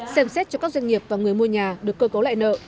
xem xét cho các doanh nghiệp và người mua nhà được cơ cấu lại nợ